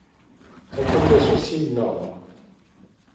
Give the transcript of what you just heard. On peut lui associer une norme.